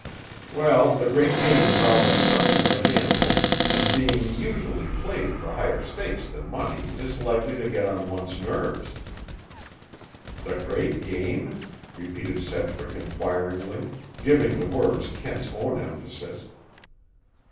"Well, the great game is always something of a gamble, and being usually played for higher stakes than money, is likely to get on one's nerves." "The great game?" repeated Sedgwick inquiringly, giving the words Kent's own emphasis.